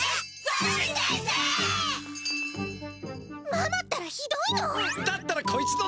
ママったらひどいの！